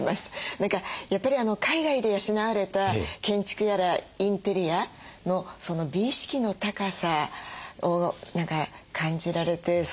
何かやっぱり海外で養われた建築やらインテリアのその美意識の高さを何か感じられて。